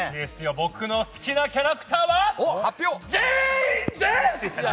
僕の好きなキャラクターは全員です！